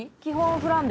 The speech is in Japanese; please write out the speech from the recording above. フランベ？